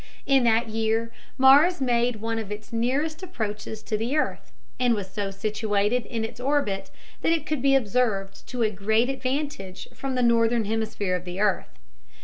In that year Mars made one of its nearest approaches to the earth, and was so situated in its orbit that it could be observed to great advantage from the northern hemisphere of the earth.